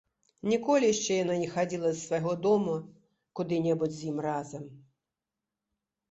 Ніколі яшчэ яна не хадзіла з свайго дома куды-небудзь з ім разам.